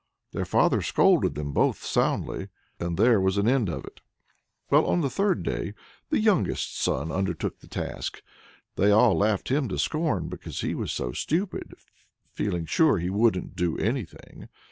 Their father scolded them both soundly, and there was an end of it. Well, on the third day the youngest son undertook the task. They all laughed him to scorn, because he was so stupid, feeling sure he wouldn't do anything.